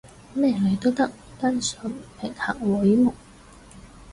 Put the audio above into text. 咩女都得？單純平衡荷爾蒙？